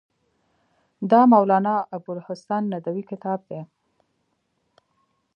دا مولانا ابوالحسن ندوي کتاب دی.